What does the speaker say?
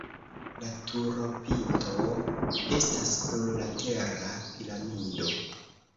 La turopinto estas plurlatera piramido.